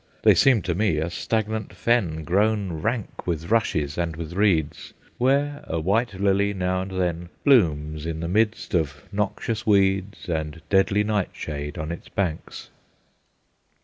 They seem to me a stagnant fen, Grown rank with rushes and with reeds, Where a white lily, now and then, Blooms in the midst of noxious weeds And deadly nightshade on its banks."